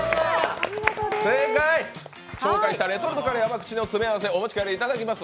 紹介したレトルトカレー甘口の詰め合わせをお持ち帰りいただきます。